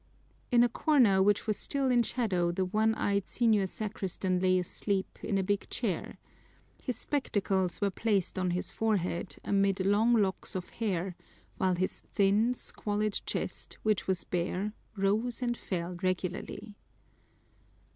In a corner which was still in shadow the one eyed senior sacristan lay asleep in a big chair. His spectacles were placed on his forehead amid long locks of hair, while his thin, squalid chest, which was bare, rose and fell regularly.